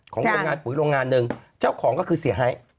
ของคนงานปุ๋ยโรงงานหนึ่งเจ้าของก็คือเสียหาย